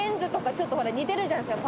ちょっとほら似てるじゃないですか